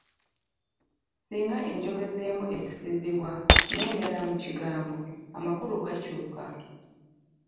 Singa enjogeza emu esikizibwa n’endala mu kigambo, amakulu gakyuka.